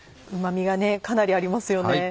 うま味がかなりありますよね。